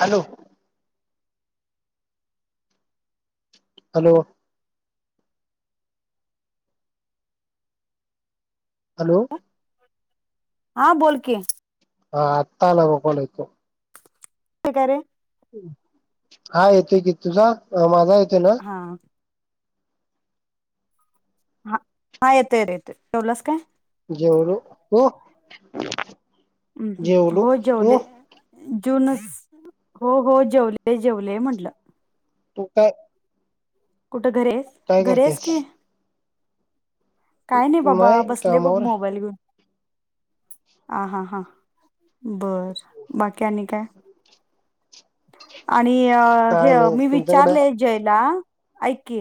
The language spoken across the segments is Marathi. हॅलो. हॅलो हॅलो हा बोल के हा आत्ता भाऊ कॉल यांच्यावर ते काय ते हा येतोय की तुझा माझा य हा हा हा येतयेत येते जेवलायस काय जेवलो तू जेवलो तू जुनस हो हो जेवले जेवले म्हंटलं तु का घरेस घरेस की काय नाही बाबा बसले बघ मोबाईल घेऊन आ हा हा बर बाकी आणि काय आणि अ हे काय नाही मी तुमच्याकडे विचारलेय जयला ऐक की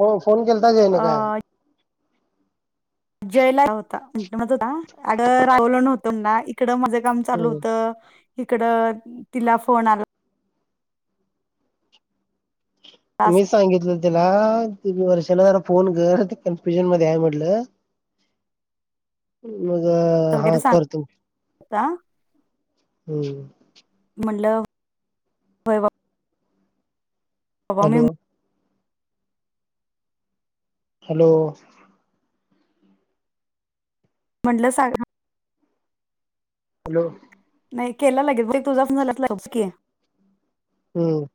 हो फोन केलताच जय ने अ काल जयला होता अड रावलं नव्हतो ना इकड माझं काम चालू हम्म होत इकडं तिला फोन आला मी सांगितलं त्याला तुम्ही वर्षाला जरा फोन कर कन्फ्युजन मध्ये आहे म्हटलं मग हा करतो का हम्म म्हणलं वय हॅलो हॅलो म्हटलं सांगा हॅलो नाही केला लागेल तुझा फोन झालात की हम्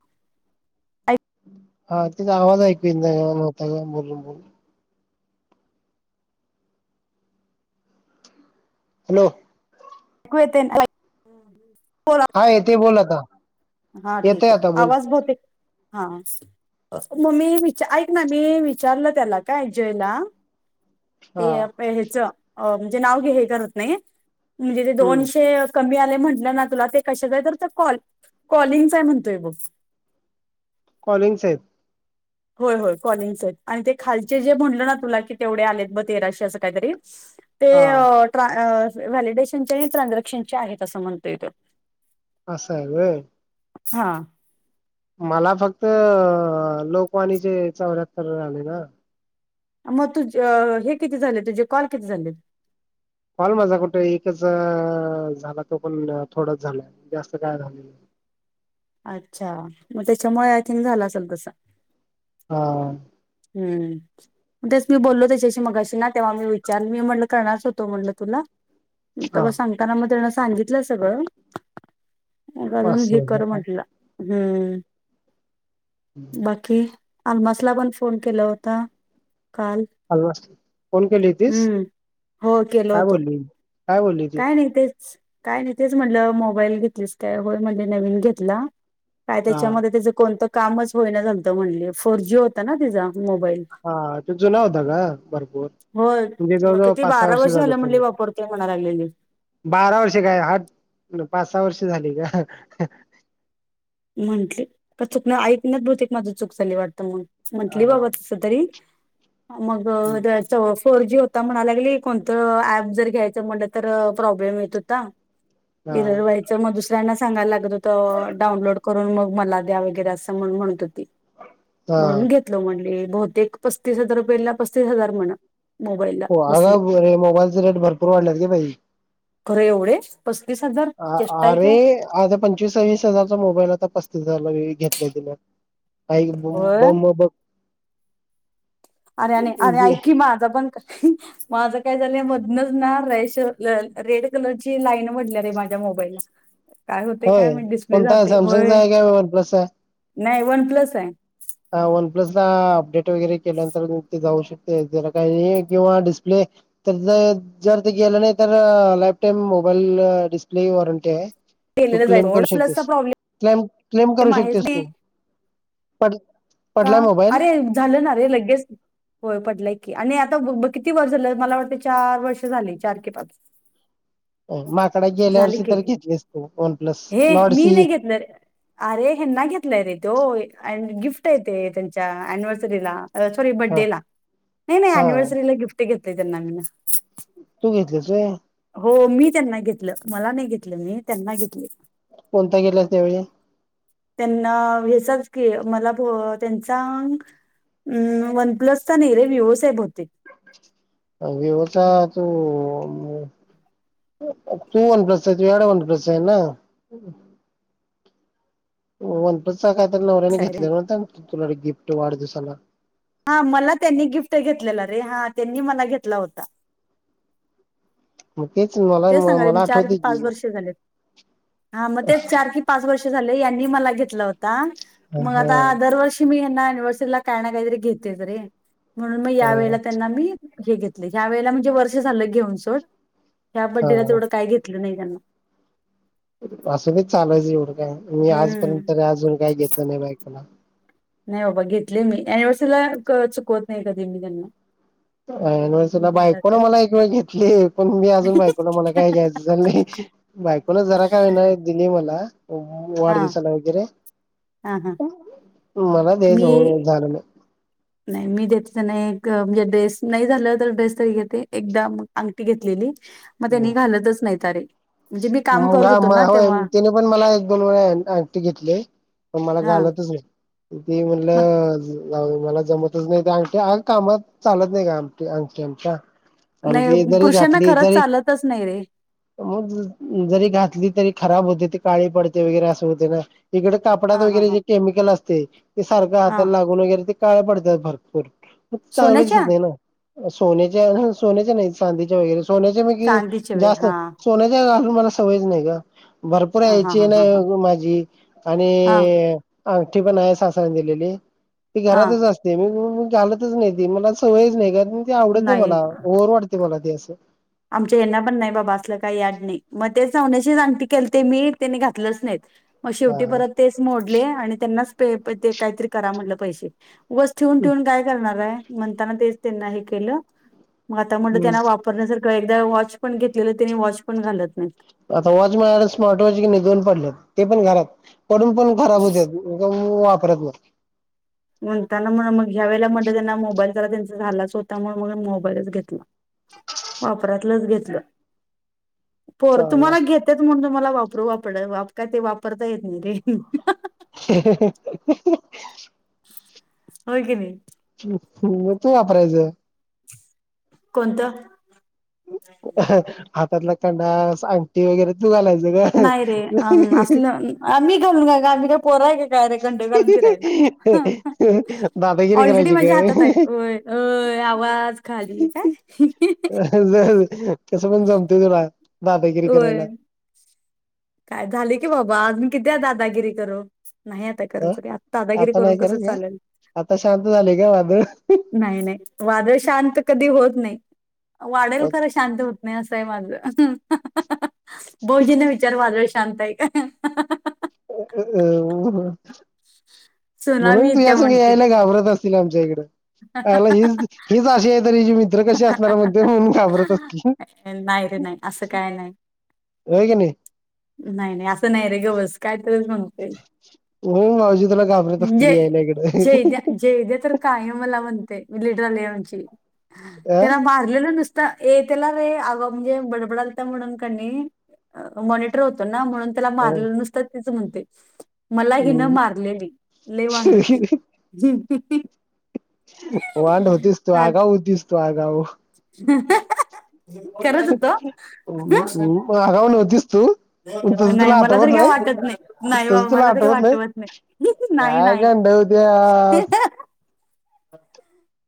हा तिचा आवाज ऐकू नाही का नता का बोलून बोलून हॅलो. [unintelligible] हा येथे बोल आता. हा येतय ठीक आहे आता बोल आवाज बहुतेक हा घ. अ म ममी विचार ऐक ना, मी विचारलं त्याला काय जयला. हा ते पेह्याचं म्हणजे नाव घे हे करत नाही म्हणजे ते हम्म दोनशे कमी आलयं म्हटलं ना, कॉल ते कशाचा आहे तर कॉल कॉलिंगच आहे म्हणतोय बघ कॉलिंगचे आहेत. होय होय कॉलिंगचे आहेत आणि ते खालचे जे म्हणलं ना, तुला की तेवढे आलेत ब तेराशे असं काहीतरी ते हा अ ट्राय अ. व्हॅलिडेशनचे आणि ट्रांजेक्शनचे आहेत असं म्हणतोय तो असाय होय. हा मला फक्त लोकवाणीचे चौऱ्याहत्तर झाले ना मग तुझ हे किती झाले, तुझे कॉल किती झाले? कॉल माझा कुठे एकच झाला. तो पण थोडंच झालंय जास्त काय झालं. [inaudible] अच्छा, मग त्याच्यामुळे आय थिंक झालं असेल तस हा. हम्म. तेच मी बोललो त्याच्याशी मगाशी ना, तेव्हा मी विचारलं मी म्हणलं करणारच होतो म्हणलं तुला. हा तव्हा सांगताना मग तेन सांगितलंय सगळं अस अजून हेी [unintelligible] कर म्हटलं हम्म बाकी आम्हासला पण फोन केला होता. काल फोन केली होतीस हम्म हो केलो काय होतो. बोलली काय बोलली ती काय नाही तेच काय नाही तेच म्हटलं, मोबाईल घेतलीस काय होय म्हंटली नवीन घेतला. काय हा त्याच्यामध्ये त्याचं कोणतं कामच होईना, झालतं म्हणली फोर जी होता ना तिचा मोबाईल हा तो जुना होता का भरपूर? हो म्हणजे मग जवळजवळ किती पाच सहा बारा वर्ष वर्षी झाले झालं फोन म्हणली वापरतेय म्हणायला लागली. बारा वर्षे काय आठ न पाच-सहा वर्ष झाली का? म्हंटली का चुकनं ऐकण्यात बहुतेक माझ चूक झाली वाटतं, हा म्हटली बाबा तस तरी मग त्याच [unintelligible] फोरजी होता म्हणायला लागली. कोणतं ॲप जर घ्यायचं म्हणलं तर प्रॉब्लेम येत होता. हा एरर व्हायचं मग दुसऱ्यांना सांगायला लागत होतं डाउनलोड करूत मग म्हणला द्या वगैरे असं म्हणून म्हणत होती हा म्हणून घेतलं म्हणली. बहुतेक पस्तीस हजार रुपयेला पस्तीस हजार म्हण हो अग [unintelligible] मोबाईलचे रेट भरपूर वाढलेत गं बाई खरं एवढे? पस्तीस हजार अ चेष्टा आहे अरे काय आता पंचवीस-सव्वीस हजारचा मोबाईल आता पस्तीस हजाराचा घेतलंय तिनं ऐक होय ग म भ आरेरआणि अरे ऐक की माझं पण माझं काय झालं मधनच ना, राइश रेड कलरची लाईन पडल्या रे माझ्या मोबाईलला काय होते काय होय म्हण डिस्प्ले कोणता जाते होय. सॅमसंगचा आहे काय वन नाही वन प्लस आहे. अ वन प्लसला अपडेट वगैरे केल्यानंतर [unintelligible] ते जाऊ शकते. ते तेला काही हे किंवा डिस्प्ले तर जर ते गेलं नाही तर लाईफ टाईम मो मोबाईल डिस्प्ले वॉरंटी आहे. तू केलेलं जाईल क्लेम सोड करू प्लसचा शकतेस प्रॉब्लेम क्लेम क्लेम करू आहेच शकतेस नाही तू पण का अरे झालं ना रे लगेच होय पडलाय आणि आता किती वर्ष झालं मला वाटत चार वर्ष झाली चार क पाच. माकड गेल्या वर्ष झाली इ तरर की घेतलीसतो वन प्लस हे नडस. मी नाही घेतलं रे. अरे हेना घेतलंय रे ते अ गिफ्ट आहे ते त्यांच्या अनिव्हर्सरीला. सॉरी हा बडडेला नाही नाही हा अनिव्हर्सरीला गिफ्ट घेते त्यांना मी ना. तू घेतलेच आहे. हो मी त्यांना घेतलं मला नाही घेतलं मी त्यांना घेतली. कोणता गेलाच त्यावजी. त्यांना हचाच की मला त्यांचा वनप्लसचा नेरे व्ह्यू साब होते. अगे होता तो. तू वन प्लस आहे तु याड वन प्लस आहे ना. वनपतचा काय तर नवऱ्याने असा आहे रे घेतलेला नत तुलाडे गिफ्ट वाढदिवसाला. हा मला त्यांनी गिफ्ट घेतलेला रे हा त्यांनी मला घेतला होता. [inaudible] तेच मला ते सांगाले म मला चार की आठवते पाच, वर्ष झाले हा मग ते चार की पाच वर्ष ते झाला याईनी मला घेतला होता हा मंग आता हा दरवर्षी मी अनिव्हर्सरीला काय काहीतरी घेते रे म्हणून, मग या वेळेला त्यांना मी हे घेतले ह्या वेळेला म्हणजे वर्ष झालं घेऊन सोड ह्या बडडेला हा तेवढं काय घेतलं नाही. ये. असच चालायचं एवढं काय मी हम्म. आजपर्यंत अजून काही घेतलं नाही बायकला. नाही बाबा घेतले मी अनिव्हर्सरीला चुकवत नाही कधी मी त्यांना. अ न बायकोन मला एक वेळ घेतली पण मी अजून बायकोन मला काय घ्यायचं झाललं. बायकोूनच जरा का ना दिणे मला. हो हा वाढदिवसाला वगैरे- हा हा मला तेच मी उ झाारण नाही मी देतलं नाही एक म्हणजे ड्रेस नाही झालं तर ड्रेस तरी घेते एकदा अंगठीी घेतलेली. मग त्यांनी घालतच नाहीत रे. मुगा होय तिने पण मला एक दोन वेळाटी घेतली. पण मला हा घालतच आहे ती मग म्हटलं. ला मला जमतच नाही ते अंगठी कामात चालत नाही का अंगठी आमच्या नाही सदी जरी पुरुषांना घातली खरंच तरी चालतच नाही रे मग घ तरी खब हो काळी पडते वरे अस होते ना इडे कापडात हा हा हा वगैरेे केमिकल ते ते सारखं हा हातला लागून वगैरे ते काळे पडतात भरपूर मग ते सोन्याच्या चांगलंचेत नाही ना. सोन्याच्या सोन्याच्या नाही चांदीच्या वगैरे सोन्याच्या म चांदीच्या वे जास्त हा सोन्याच्या मला सवयच नाही का- भरपूर हा हा यायची हा हा नाही हा माझी आणि हा मोठी पण आहे सासरण दिलेली ती हा घरातच असते मी म घालतच नाही त मला सवयच नाही. ते आवडत नाही मला ओवर वाटते मला ते असं- आमच्या यांना पण नाही बाबा असलं काही याड नाही. मग ते सवण्याची जाती केली ते मी त्यांनी घातलंच नाही. मग हा शेवटी परत तेच मोडले आणि त्यांनाच पे ते काहीतरी करा म्हणलं पैसे बस ठेवून ठेवून काय करणार आहे म्हणताना तेच त्यांना हे केलं. मग आता म्हणलं हा त्यांना वापरण्यासारखं एकदा वॉच पण घेतलेलं त्यांनी वॉच पण घालत नाही. आता वॉच म्हळाला स्मार्ट वॉच कि नाही दोन पडलेत ते पण घरात. पडून पण खराब होत वापरत मर. म्हणताना म्ह मग ह्या वेळेला म्हणत त्यांना मोबाईलचाला त्यांचा झालाच होता म्हणून मग मोबाईलच घेतला. वापरातलंच घेतलं. पोर चांगला तुम्हाला घेतेत म्हणून तुम्हाला वापरू वापर काय ते वापरता येत नाही रे. होकन. मतो वापरायच. कोणतं. हातातला कंडस अंटी वगैरे तू घालाय नाही रे असलं आम्ही घेऊ का आम् का पोराय का ं घाून फिराला दादागिरी ऑलरेडी करायची माझ्या काय हातात आहेत आवाज खाली का. तसं पण जमतय तुला दादागिरी करायला. ओय काय झाले की बाबा आज म किती आहे दादागिरी करू. नाही आता अ करंच आता दादागिरी आता करून नाही कसं करत का चालेल. आता शांत झाले का वादळ नाही नाही वादळ शांत कधी होत. नाही वाढेल ख शांत होत नाही असं आहे माझ. बहुजन्य विचार वाजळ शांत आहे का. अ म्हणून सुनामी तू येत्या यासग म्हणतील यायला घाबरत अस त जेगडे अला हीच हीच आा आहे त हिची मित्र कशी असणार मध्ये होऊन घाबरत अस की. नाही रे नाही असं काय नाही. हो क नाही नाही नाही असं नाही रे ग बस कायतरीच म्हणते. होज. म्हणजे जेद्या जेद्या तर काय मला म्हणतेय. लेड्र लनची अ त्याला मारलेलं नसत. ेतला रे आग म्हणजे बडबडल म्हणून मॉनटर होतो. म्हणून त्याला मारलं नुसत तीच म्हणते मला हि न हम्म. मारलेली लवान लुट्टी होांड होतीस तू आगा होतीस तू आगा खरच होत आगाव नव्हतीस तू तसं नाही तुला मला तरी आठवत काय नाही वाटत नाही नाही तसं बाबा तुला मला तरी आठवत वाटवत नाही नाही नाही अभ्या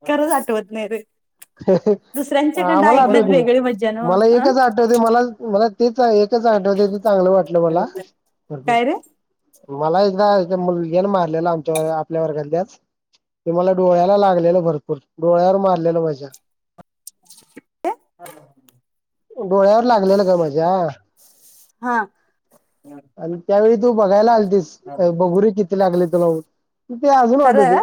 खरंच आठवत नाही रे दुसऱ्यांच्याकडं आम्हाला ऐकण्यात आठवते वेगळी मज्जा ना मला अ एकच आठवते मला मला तेच एकच आठव्या चांगलं वाटलं मला काय रे भरपूर मला एकदा मुलगीला मारलेला आमच्यावर आपल्यावर घाातल्यास ते मला डोळ्याला लागलेल भरपूर डोळ्यावर मारलेल मजा [inaudible] डोळ्यावर लागलेलं ग माझ्या हा आणि त्यावेळी तू बघायला आलतीस बगुरी किती लागली तुला ते अजून वाटत खरं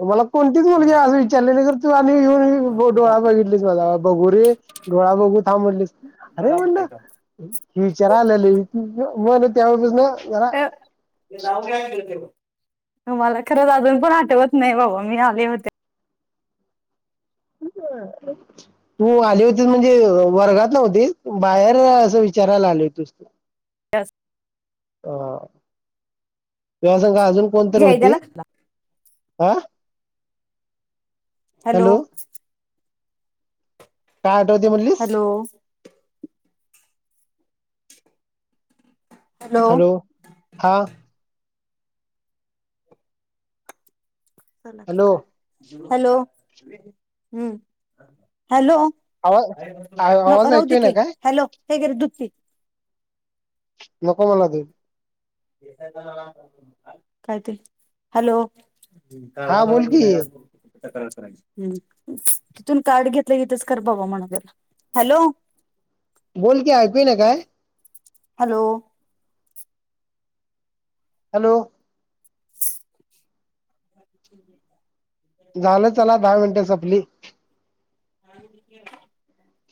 तुम्हाला कोणतीच मुलगी आज विचारलेली तू आणि येऊन डोळा बघितली म बघूरे डोळा बघ सांभलीस अरे म्हणलं ह विचार आलेले मला त्या बाच ना अ नव हतेव मला खरंच अजून पण आठवत नाही बाबा मी आले होते ह तू आले होते म्हणजे वर्गात नव्हती बाहेर असं विचारायला आले होते च बच ह तेिवा्हा संघ अजून कोणतरी जयद्याला होती आह हॅलो काय आठवते म्हणलीस हॅलो हॅलो हा हॅलो हॅलो हम् हॅलो. आवाज आ- नको आवाज राहू दे ऐकतोय ना की काय हॅलो हे घे रे दूध पी नको मला दे काय ते हॅलो. हम् काळा हा व बोल की तिथून कार्ड घेतलं गेतच कर बाबा म्हण त्याला हॅलो. बोल की प ना काय. हॅलो. हॅलो. झालं चला दहा मिनटे संपली ह.